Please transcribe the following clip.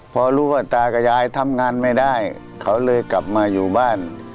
พอรู้ว่าตากับยายทำงานไม่ได้เขาเลยกลับมาอยู่บ้าน